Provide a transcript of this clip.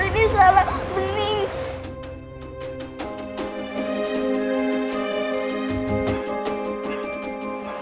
ini salah bening